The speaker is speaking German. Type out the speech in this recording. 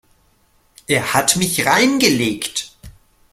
Er hat mich reingelegt.